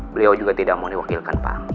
beliau juga tidak mau diwakilkan pak